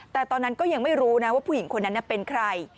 แต่ตอนนั้นก็ยังไม่รู้นะว่าผู้หญิงคนนั้นเป็นใคร